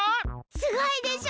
すごいでしょ！